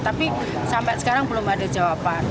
tapi sampai sekarang belum ada jawaban